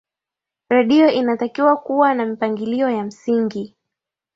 redio inatakiwa kuwa na mipangilio ya msingi